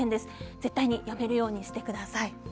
絶対にやめるようにしてください。